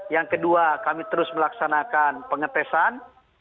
yang kedua kami terus melaksanakan pengetesan